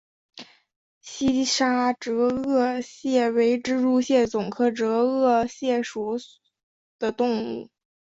西沙折额蟹为蜘蛛蟹总科折额蟹属的动物。